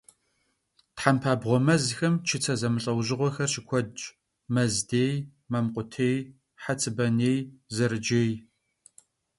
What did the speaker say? Thempabğue mezxem çıtse zemılh'eujığuexer şıkuedş: mezıdêy, mamkhutêy, xhetsıbanêy, zerıcêy.